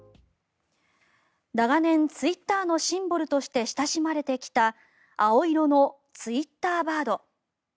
長年ツイッターのシンボルとして親しまれてきた青色のツイッターバード。